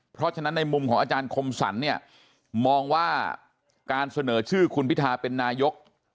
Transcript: เพราะฉะนั้นในมุมของอาจารย์คมสรรเนี่ยมองว่าการเสนอชื่อคุณพิทาเป็นนายก